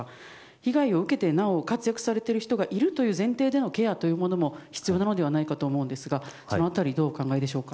被害を受けてなお活躍されている人がいるという前提でのケアというものも必要なのではないかと思うんですが、その辺りはどうお考えでしょうか。